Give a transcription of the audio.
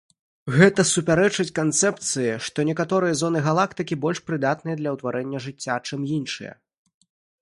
Гэта супярэчыць канцэпцыі, што некаторыя зоны галактыкі больш прыдатныя для ўтварэння жыцця, чым іншыя.